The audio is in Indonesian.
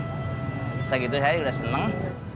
bisa gitu saya udah seneng